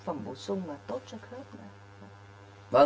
phẩm bổ sung là tốt cho khớp